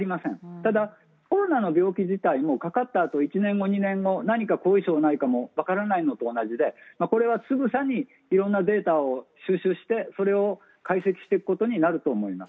ただ、コロナの病気自体かかったあと１年後、２年後何か後遺症がないかわからないのと同じでこれはつぶさにいろんなデータを収集してそれを解析していくことになると思います。